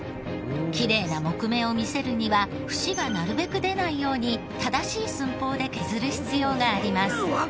きれいな木目を見せるには節がなるべく出ないように正しい寸法で削る必要があります。